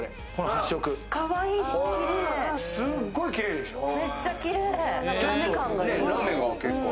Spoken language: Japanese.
すっごいきれいでしょう。